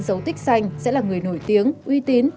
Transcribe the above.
dấu tích xanh sẽ là người nổi tiếng uy tín